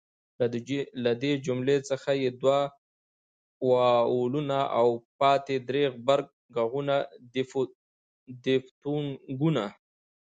له دې جملې څخه ئې دوه واولونه او پاته درې ئې غبرګ ږغونه دیفتونګونه